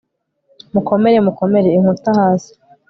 mukomere, mukomere inkuta, hasi